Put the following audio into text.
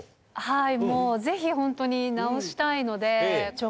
はいもうぜひホントに直したいので。